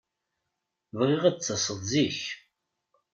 Bɣiɣ ad d-taseḍ zik.